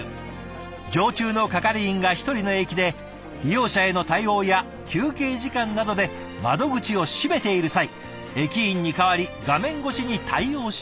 常駐の係員が１人の駅で利用者への対応や休憩時間などで窓口を閉めている際駅員に代わり画面越しに対応しています。